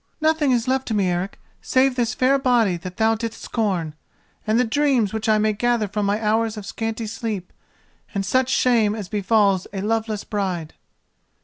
Nothing is left to me, Eric, save this fair body that thou didst scorn, and the dreams which I may gather from my hours of scanty sleep, and such shame as befalls a loveless bride."